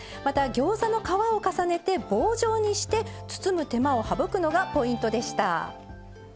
またギョーザの皮を重ねて棒状にして包む手間を省くのがポイントでした。